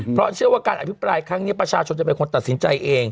เพราะเชื่อว่าการอภิปรายครั้งนี้ประชาชนจะเป็นคนตัดสินใจเอง